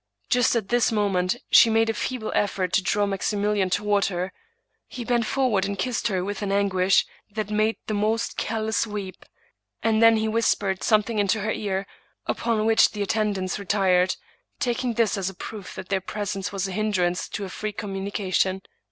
Just at this moment she made a feeble effort to draw Maximilian toward her; he bent forward and kissed her with an an guish that made the most callous weep, and then he whis pered something into her ear, upon which the attendants retired, taking this as a proof that their presence was a hindrance to a free communication.